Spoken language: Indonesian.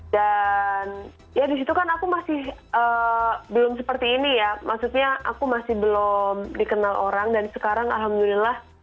dan ya di situ kan aku masih belum seperti ini ya maksudnya aku masih belum dikenal orang dan sekarang alhamdulillah